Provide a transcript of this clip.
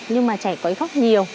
nhưng mà trẻ quấy khóc nhiều